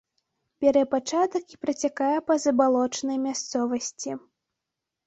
Бярэ пачатак і працякае па забалочанай мясцовасці.